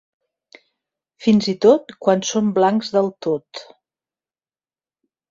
Fins i tot quan són blancs del tot.